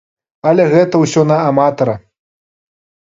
Але гэта ўсё на аматара.